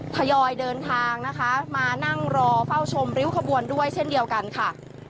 ทยอยเดินทางนะคะมานั่งรอเฝ้าชมริ้วขบวนด้วยเช่นเดียวกันค่ะ